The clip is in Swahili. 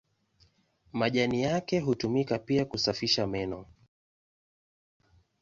Majani yake hutumika pia kusafisha meno.